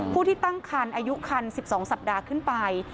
ผู้ที่ตั้งครรภ์อายุครรภ์๑๒สัปดาห์ขึ้นไป